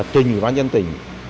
trình bán dân tỉnh